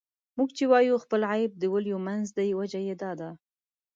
موږ چې وايو خپل عيب د ولیو منځ دی، وجه یې دا ده.